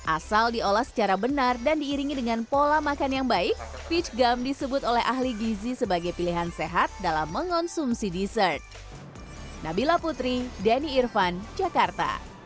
asal diolah secara benar dan diiringi dengan pola makan yang baik peach gum disebut oleh ahli gizi sebagai pilihan sehat dalam mengonsumsi dessert